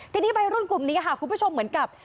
ทีนี้วัยรุ่นกลุ่มนี้ค่ะคุณผู้ชมเหมือนกับ